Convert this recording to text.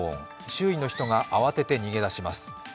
周囲の人が慌てて逃げ出します。